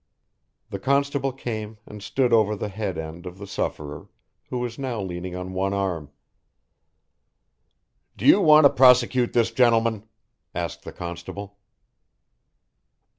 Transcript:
The constable came and stood over the head end of the sufferer, who was now leaning on one arm. "Do you want to prosecute this gentleman?" asked the constable.